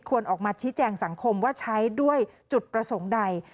ออกมาชี้แจงสังคมว่าใช้ด้วยจุดประสงค์ใด